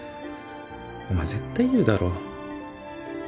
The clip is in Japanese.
お前絶対言うだろ。